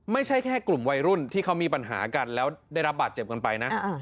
ไม่ใช่แค่กลุ่มวัยรุ่นที่เขามีปัญหากันแล้วได้รับบาดเจ็บกันไปนะ